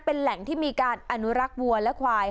เป็นแหล่งที่มีการอนุรักษ์วัวและควาย